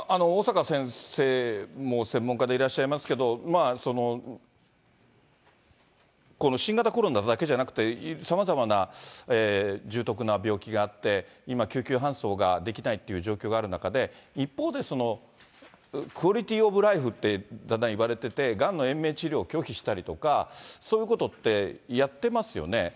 小坂先生も専門家でいらっしゃいますけど、この新型コロナだけじゃなくて、さまざまな重篤な病気があって、今、救急搬送ができないという状況がある中で、一方で、クオリティーオブライフってだんだんいわれててがんの延命治療を拒否したりとか、そういうことってやってますよね。